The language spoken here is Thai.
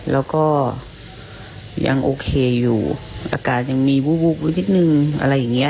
แล้วก็ยังโอเคอยู่อากาศยังมีวูบอยู่นิดนึงอะไรอย่างนี้